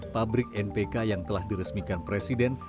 pabrik npk yang telah diresmikan presiden